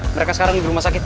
mereka sekarang di rumah sakit